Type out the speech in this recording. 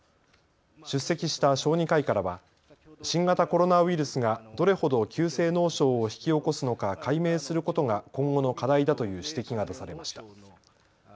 出席した小児科医からは新型コロナウイルスがどれほど急性脳症を引き起こすのか解明することが今後の課題だという指摘が出されました。